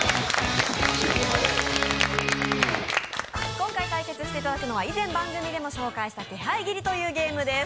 今回対決していただくのは以前番組でも紹介した気配斬りというゲームです。